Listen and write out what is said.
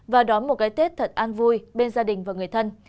và đón một cái tết thật an vui bên gia đình và người thân